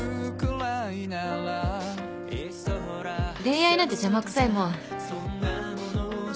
恋愛なんて邪魔くさいもん